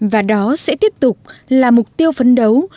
và đó sẽ tiếp tục là mục tiêu phấn đấu